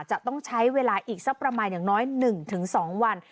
จะต้องใช้เวลาอีกซักประมาณอย่างน้อยหนึ่งถึงสองวัน